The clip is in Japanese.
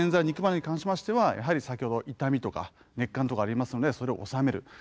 肉離れに関しましてはやはり先ほど痛みとか熱感とかありますのでそれをおさめる。